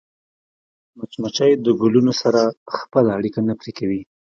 مچمچۍ د ګلونو سره خپله اړیکه نه پرې کوي